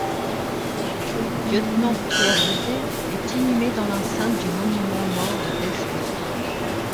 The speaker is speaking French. Le lieutenant Pierre Houzé est inhumé dans l'enceinte du monument aux morts de Besmé.